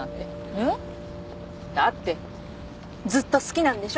えっ？だってずっと好きなんでしょ